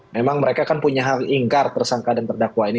memang mereka kan punya hak ingkar tersangka dan terdakwa ini